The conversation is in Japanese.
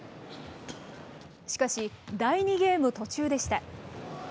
しかし、第２ゲーム途中でした。